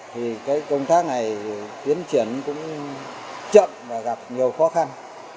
thì cái công tác này tiến triển cũng chậm và gặp nhiều khó khăn